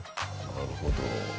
なるほど。